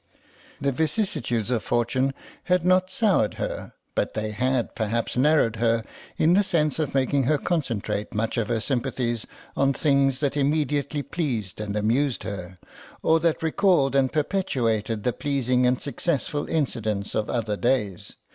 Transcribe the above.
The vicissitudes of fortune had not soured her, but they had perhaps narrowed her in the sense of making her concentrate much of her sympathies on things that immediately pleased and amused her, or that recalled and perpetuated the pleasing and successful incidents of other days.